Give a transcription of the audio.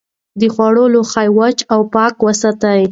د خوړو لوښي وچ او پاک وساتئ.